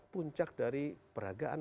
puncak dari peragaan